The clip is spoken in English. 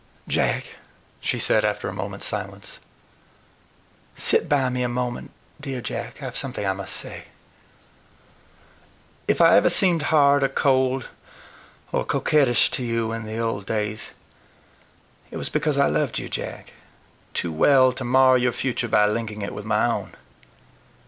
"Jack," she said, after a moment's silence, "sit by me a moment; dear Jack: I've something I must say. If I ever seemed hard, or cold, or coquettish to you in the old days, it was because I loved you, Jack, too well to mar your future by linking it with my own.